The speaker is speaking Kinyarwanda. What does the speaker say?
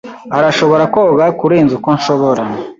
Arashobora koga kurenza uko nshobora.